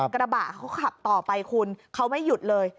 กระบะเขาขับต่อไปคุณเขาไม่หยุดเลย